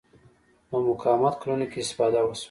د مقاومت کلونو کې استفاده وشوه